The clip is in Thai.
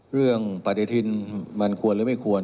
เรื่องปฏิทินมันควรหรือไม่ควร